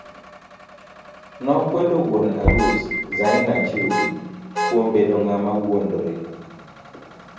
Nokwedo wuon arus Zaina Chudi kuom bendo ng'ama wuondore.